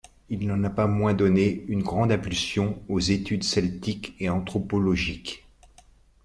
Il n’en a pas moins donné une grande impulsion aux études celtiques et anthropologiques.